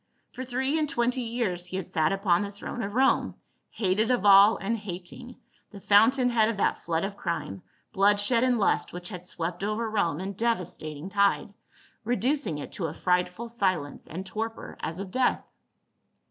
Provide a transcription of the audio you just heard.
For three and twenty years he had sat upon the throne of Rome, " hated of all and hating," the fountain head of that flood of crime, bloodshed and lust which had swept over Rome in devastating tide, reducing it to " a frightful silence and 100 PA UL. torpor as of death."